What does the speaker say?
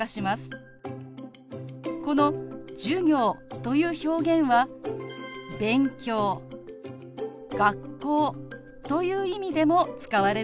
この「授業」という表現は「勉強」「学校」という意味でも使われるんですよ。